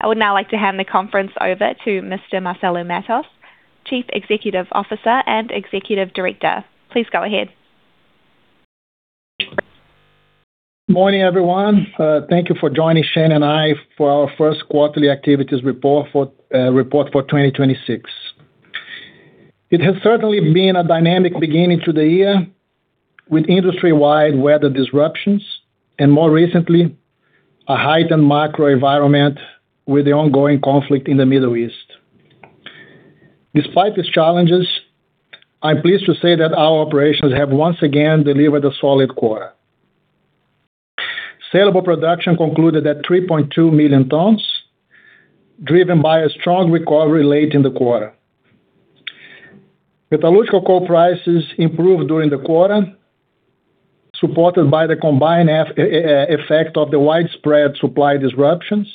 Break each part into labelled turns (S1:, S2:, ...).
S1: I would now like to hand the conference over to Mr. Marcelo Matos, Chief Executive Officer and Executive Director. Please go ahead.
S2: Morning, everyone. Thank you for joining Shane and I for our first quarterly activities report for 2026. It has certainly been a dynamic beginning to the year, with industry-wide weather disruptions and more recently, a heightened macro environment with the ongoing conflict in the Middle East. Despite these challenges, I'm pleased to say that our operations have once again delivered a solid quarter. Saleable production concluded at 3.2 million tons, driven by a strong recovery late in the quarter. Metallurgical coal prices improved during the quarter, supported by the combined effect of the widespread supply disruptions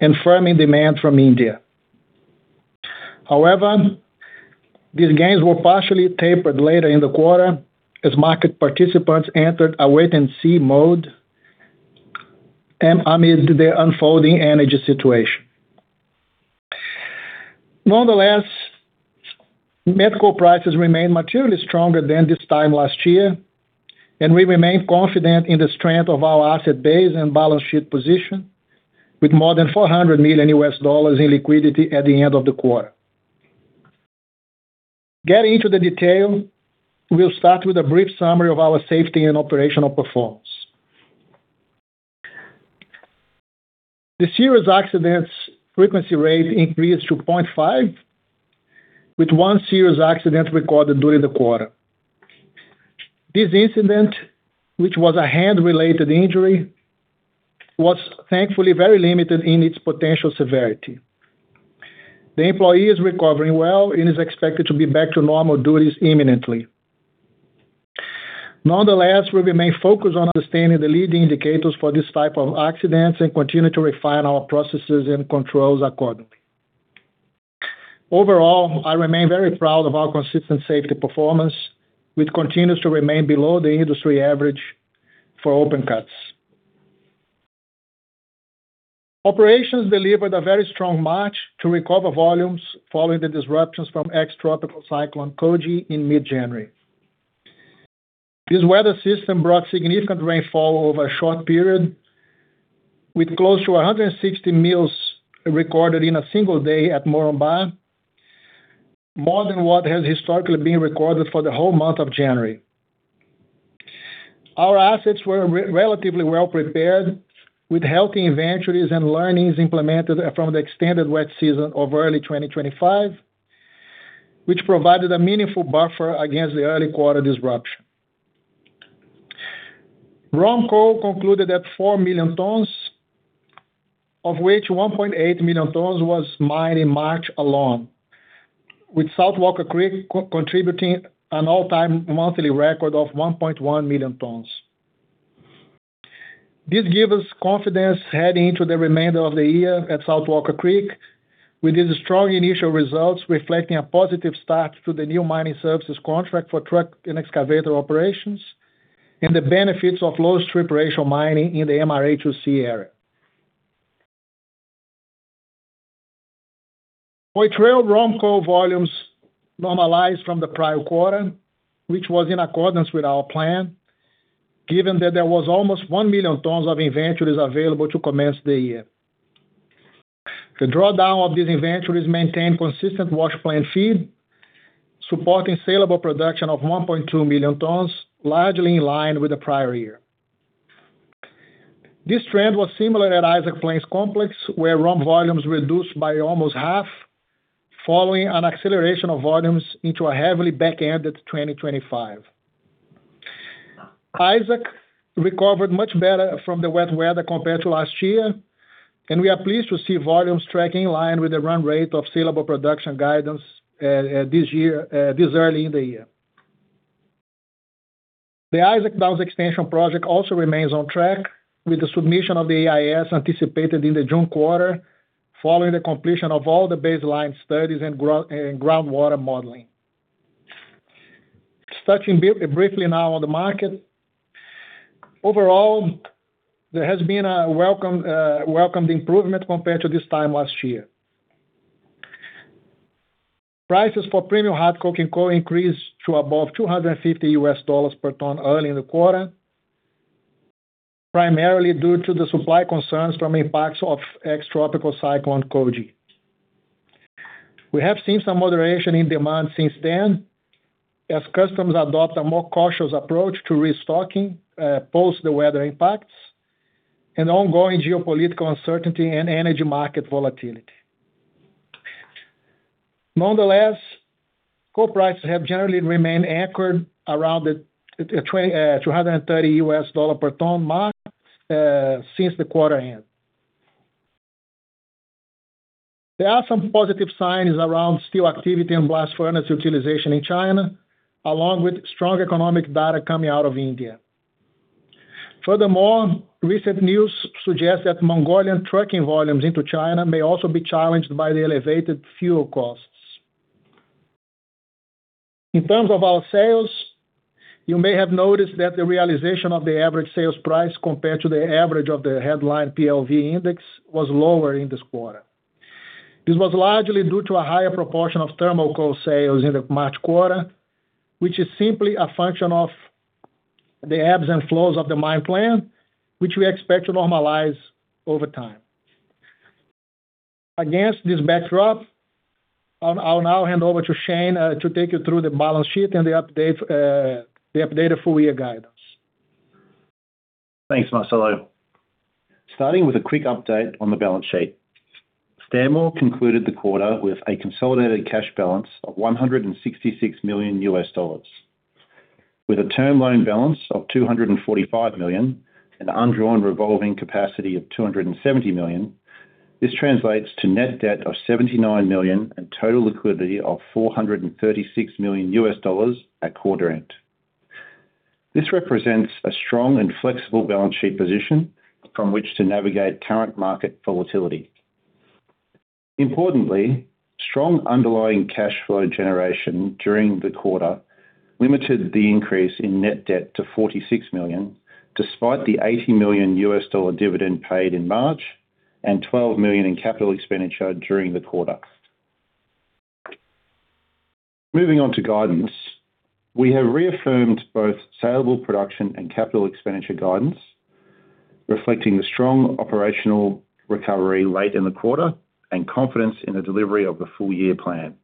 S2: and firming demand from India. These gains were partially tapered later in the quarter as market participants entered a wait-and-see mode amid the unfolding energy situation. Metallurgical prices remain materially stronger than this time last year, and we remain confident in the strength of our asset base and balance sheet position, with more than $400 million in liquidity at the end of the quarter. Getting into the detail, we'll start with a brief summary of our safety and operational performance. The serious accidents frequency rate increased to 0.5, with one serious accident recorded during the quarter. This incident, which was a hand-related injury, was thankfully very limited in its potential severity. The employee is recovering well and is expected to be back to normal duties imminently. We remain focused on understanding the leading indicators for these type of accidents and continue to refine our processes and controls accordingly. Overall, I remain very proud of our consistent safety performance, which continues to remain below the industry average for open cuts. Operations delivered a very strong March to recover volumes following the disruptions from ex-tropical cyclone Koji in mid-January. This weather system brought significant rainfall over a short period, with close to 160 mills recorded in a single day at Moranbah, more than what has historically been recorded for the whole month of January. Our assets were relatively well-prepared, with healthy inventories and learnings implemented from the extended wet season of early 2025, which provided a meaningful buffer against the early quarter disruption. ROM coal concluded at 4 million tons, of which 1.8 million tons was mined in March alone, with South Walker Creek co-contributing an all-time monthly record of 1.1 million tons. This give us confidence heading into the remainder of the year at South Walker Creek, with these strong initial results reflecting a positive start to the new mining services contract for truck and excavator operations and the benefits of low-strip ratio mining in the MRA2C area. Poitrel ROM coal volumes normalized from the prior quarter, which was in accordance with our plan, given that there was almost 1 million tons of inventories available to commence the year. The drawdown of these inventories maintained consistent wash plant feed, supporting saleable production of 1.2 million tons, largely in line with the prior year. This trend was similar at Isaac Plains Complex, where ROM volumes reduced by almost half following an acceleration of volumes into a heavily back-ended 2025. Isaac recovered much better from the wet weather compared to last year, and we are pleased to see volumes tracking in line with the run rate of saleable production guidance this year, this early in the year. The Isaac Downs Extension project also remains on track, with the submission of the EIS anticipated in the June quarter, following the completion of all the baseline studies and groundwater modeling. Touching briefly now on the market. Overall, there has been a welcome improvement compared to this time last year. Prices for premium coking coal increased to above $250 per ton early in the quarter, primarily due to the supply concerns from impacts of ex-tropical cyclone Koji. We have seen some moderation in demand since then, as customers adopt a more cautious approach to restocking, post the weather impacts and ongoing geopolitical uncertainty and energy market volatility. Nonetheless, coal prices have generally remained anchored around the $230 per ton mark since the quarter end. There are some positive signs around steel activity and blast furnace utilization in China, along with strong economic data coming out of India. Furthermore, recent news suggests that Mongolian trucking volumes into China may also be challenged by the elevated fuel costs. In terms of our sales, you may have noticed that the realization of the average sales price compared to the average of the headline PLV index was lower in this quarter. This was largely due to a higher proportion of thermal coal sales in the March quarter, which is simply a function of the ebbs and flows of the mine plan, which we expect to normalize over time. Against this backdrop, I'll now hand over to Shane to take you through the balance sheet and the updated full-year guidance.
S3: Thanks, Marcelo. Starting with a quick update on the balance sheet. Stanmore concluded the quarter with a consolidated cash balance of $166 million. With a term loan balance of $245 million and undrawn revolving capacity of $270 million, this translates to net debt of $79 million and total liquidity of $436 million at quarter end. This represents a strong and flexible balance sheet position from which to navigate current market volatility. Importantly, strong underlying cash flow generation during the quarter limited the increase in net debt to $46 million, despite the $80 million dividend paid in March and $12 million in capital expenditure during the quarter. Moving on to guidance. We have reaffirmed both saleable production and capital expenditure guidance, reflecting the strong operational recovery late in the quarter and confidence in the delivery of the full year plan.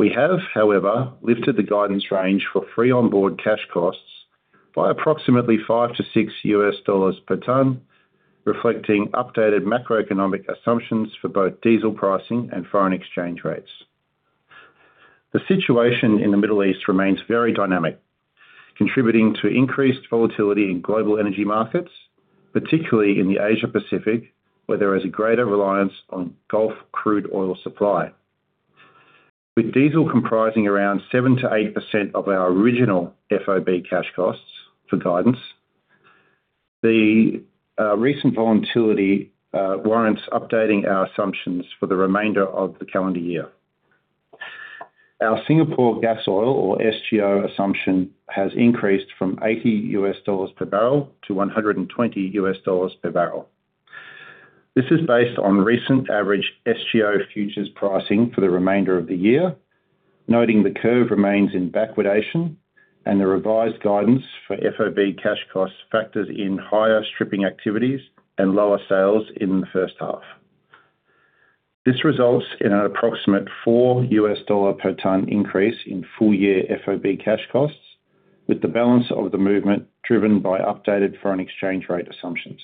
S3: We have, however, lifted the guidance range for free onboard cash costs by approximately $5-$6 per ton, reflecting updated macroeconomic assumptions for both diesel pricing and foreign exchange rates. The situation in the Middle East remains very dynamic, contributing to increased volatility in global energy markets, particularly in the Asia Pacific, where there is a greater reliance on Gulf crude oil supply. With diesel comprising around 7%-8% of our original FOB cash costs for guidance, the recent volatility warrants updating our assumptions for the remainder of the calendar year. Our Singapore gas oil, or SGO assumption, has increased from $80 per barrel to $120 per barrel. This is based on recent average SGO futures pricing for the remainder of the year, noting the curve remains in backwardation and the revised guidance for FOB cash costs factors in higher stripping activities and lower sales in the first half. This results in an approximate $4 per ton increase in full year FOB cash costs, with the balance of the movement driven by updated foreign exchange rate assumptions.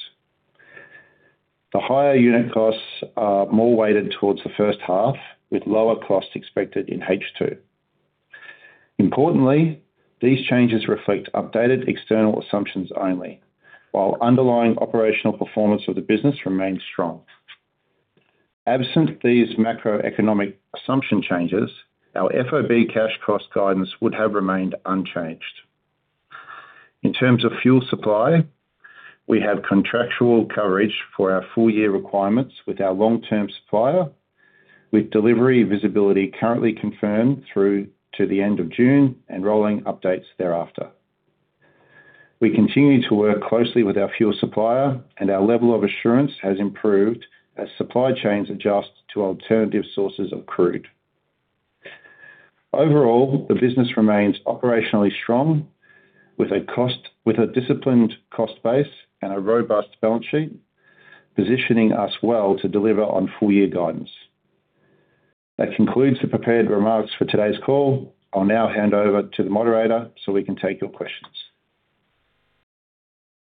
S3: The higher unit costs are more weighted towards the first half, with lower costs expected in H2. Importantly, these changes reflect updated external assumptions only while underlying operational performance of the business remains strong. Absent these macroeconomic assumption changes, our FOB cash cost guidance would have remained unchanged. In terms of fuel supply, we have contractual coverage for our full year requirements with our long-term supplier, with delivery visibility currently confirmed through to the end of June and rolling updates thereafter. We continue to work closely with our fuel supplier and our level of assurance has improved as supply chains adjust to alternative sources of crude. Overall, the business remains operationally strong with a disciplined cost base and a robust balance sheet, positioning us well to deliver on full-year guidance. That concludes the prepared remarks for today's call. I'll now hand over to the moderator, so we can take your questions.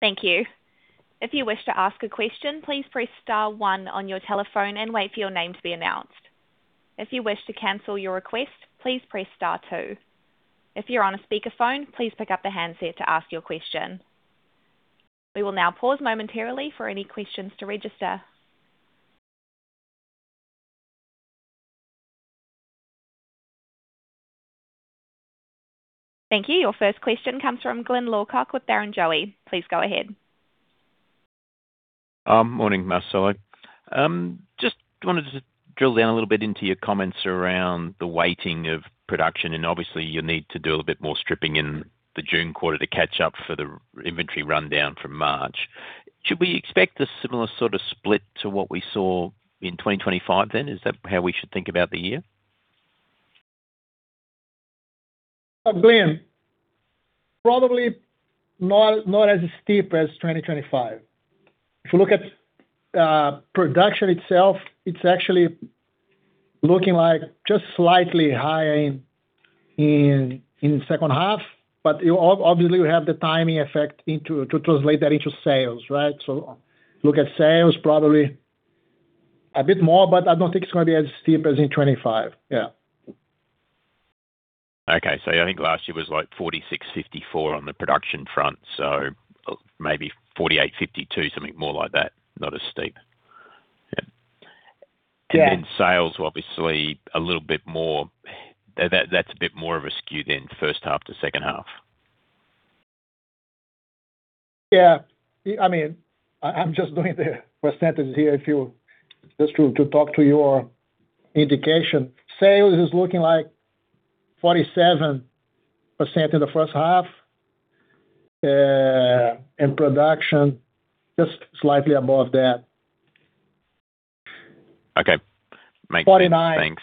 S1: Thank you. If you wish to ask a question, please press star one on your telephone and wait for your name to be announced. If you wish to cancel your request, please press star two. If you're on a speakerphone, please pick up the handset to ask your question. We will now pause momentarily for any questions to register. Thank you. Your first question comes from Glyn Lawcock with Barrenjoey. Please go ahead.
S4: Morning, Marcelo. Just wanted to drill down a little bit into your comments around the weighting of production, and obviously you need to do a bit more stripping in the June quarter to catch up for the inventory rundown from March. Should we expect a similar sort of split to what we saw in 2025 then? Is that how we should think about the year?
S2: Glyn, probably not as steep as 2025. If you look at production itself, it's actually looking like just slightly higher in the second half. You obviously have the timing effect to translate that into sales, right? Look at sales probably a bit more, but I don't think it's gonna be as steep as in 2025. Yeah.
S4: Okay. I think last year was like 46, 54 on the production front, maybe 48, 52, something more like that, not as steep. Yeah.
S2: Yeah.
S4: Sales were obviously a little bit more. That's a bit more of a skew then, first half to second half.
S2: Yeah. I mean, I'm just doing the percent here. Just to talk to your indication. Sales is looking like 47% in the first half. Production just slightly above that.
S4: Okay. Makes sense. Thanks.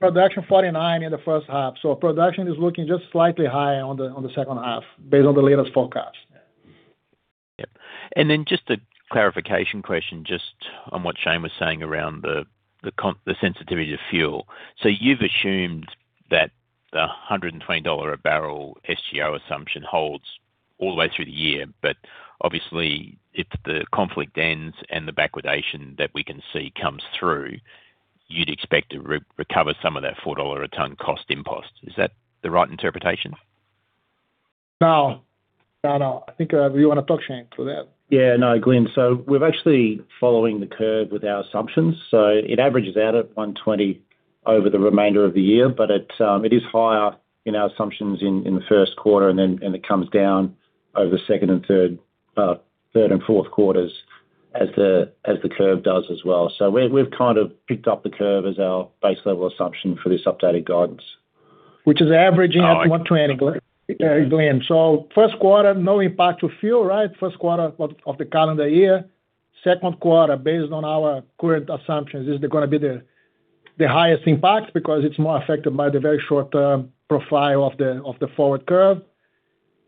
S2: Production 49% in the first half. Production is looking just slightly high on the second half based on the latest forecast.
S4: Yeah. Just a clarification question just on what Shane was saying around the sensitivity to fuel. You've assumed that the $120 a barrel SGO assumption holds all the way through the year. Obviously, if the conflict ends and the backwardation that we can see comes through, you'd expect to re-recover some of that $4 a ton cost impost. Is that the right interpretation?
S2: No. No, no. I think, you wanna talk, Shane, to that?
S3: No, Glyn. We're actually following the curve with our assumptions. It averages out at $120 over the remainder of the year, but it is higher in our assumptions in the first quarter and then it comes down over second and third and fourth quarters as the curve does as well. We've kind of picked up the curve as our base level assumption for this updated guidance.
S2: Which is averaging at $120, Glyn. First quarter, no impact to fuel, right? First quarter of the calendar year. Second quarter, based on our current assumptions, is going to be the highest impact because it's more affected by the very short-term profile of the forward curve,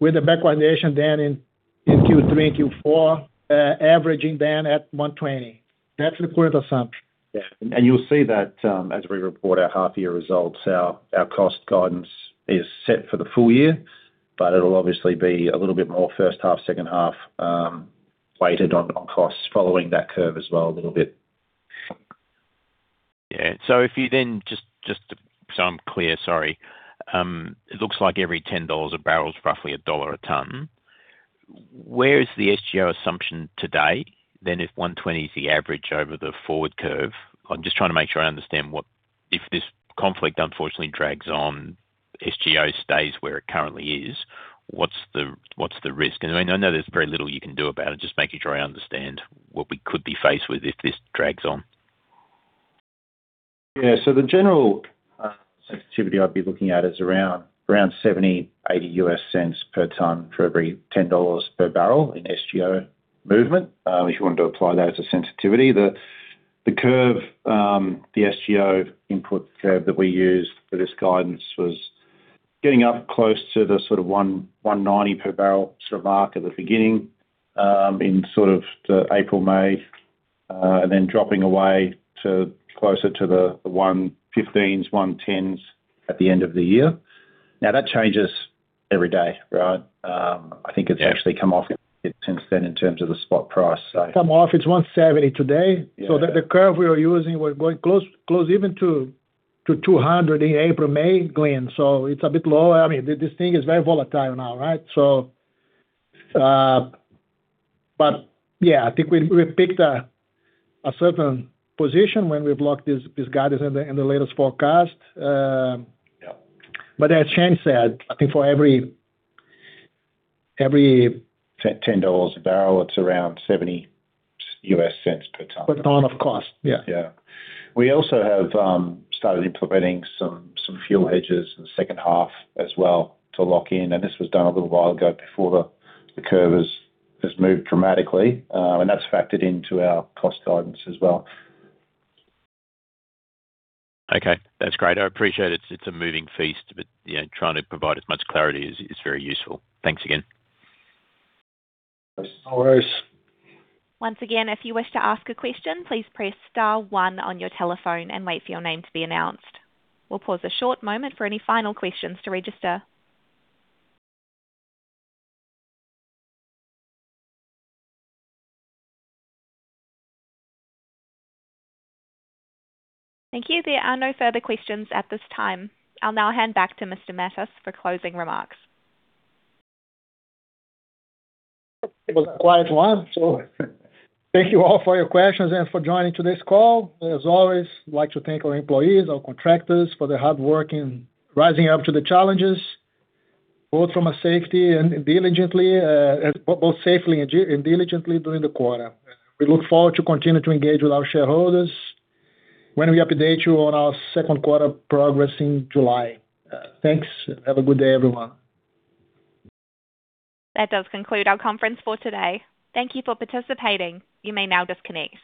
S2: with the backwardation then in Q3 and Q4, averaging then at $120. That's the current assumption.
S3: Yeah. You'll see that as we report our half-year results. Our cost guidance is set for the full year, but it'll obviously be a little bit more first half, second half weighted on costs following that curve as well a little bit.
S4: Yeah. Just to, so I'm clear, sorry. It looks like every $10 a barrel is roughly $1 a ton. Where is the SGO assumption today, then if $120 is the average over the forward curve? I'm just trying to make sure I understand if this conflict unfortunately drags on, SGO stays where it currently is. What's the risk? I know there's very little you can do about it. Just making sure I understand what we could be faced with if this drags on.
S3: The general sensitivity I'd be looking at is around $0.70-$0.80 per ton for every $10 per barrel in SGO movement, if you wanted to apply that as a sensitivity. The curve, the SGO input curve that we used for this guidance was getting up close to the $190 per barrel mark at the beginning, in the April/May, and then dropping away to closer to the $115, $110 at the end of the year. That changes every day, right? I think it's actually come off a bit since then in terms of the spot price.
S2: Come off, it's $170 today.
S3: Yeah.
S2: The curve we were using was going close even to $200 in April/May, Glyn. It's a bit lower. I mean, this thing is very volatile now, right? Yeah, I think we picked a certain position when we blocked this guidance in the latest forecast.
S3: Yeah.
S2: As Shane said, I think for every.
S3: $10 a barrel, it's around $0.70 per ton.
S2: Per ton of cost. Yeah.
S3: Yeah. We also have started implementing some fuel hedges in the second half as well to lock in. This was done a little while ago before the curve has moved dramatically. That's factored into our cost guidance as well.
S4: Okay. That's great. I appreciate it's a moving feast, but, you know, trying to provide as much clarity is very useful. Thanks again.
S2: No worries.
S1: Once again, if you wish to ask a question, please press star one on your telephone and wait for your name to be announced. We'll pause a short moment for any final question to register. Thank you, there are no further questions at this time. I'll now hand back to Mr. Matos for closing remarks.
S2: It was a quiet one, so thank you all for your questions and for joining today's call. As always, we like to thank our employees, our contractors for their hard work in rising up to the challenges, both from a safety and diligently, both safely and diligently during the quarter. We look forward to continue to engage with our shareholders when we update you on our second quarter progress in July. Thanks. Have a good day, everyone.
S1: That does conclude our conference for today. Thank you for participating. You may now disconnect.